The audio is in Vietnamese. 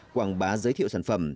quảng bá giới thiệu sản phẩm